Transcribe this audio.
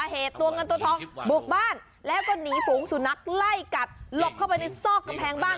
เหตุตัวเงินตัวทองบุกบ้านแล้วก็หนีฝูงสุนัขไล่กัดหลบเข้าไปในซอกกำแพงบ้าน